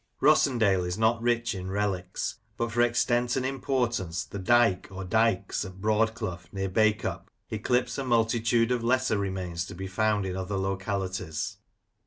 Rossendale is not rich in relics, but for extent and im portance the "Dyke" or "Dykes" at Broadclough, near Bacup, eclipse a multitude of lesser remains to be found in other localities.